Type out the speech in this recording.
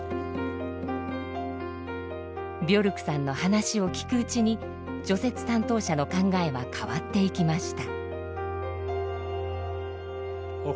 ビョルクさんの話を聞くうちに除雪担当者の考えは変わっていきました。